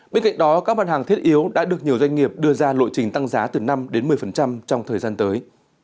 bên cạnh đó các mặt hàng thiết yếu đã được nhiều doanh nghiệp đưa ra lộ trình tăng giá từ năm một mươi trong thời gian tới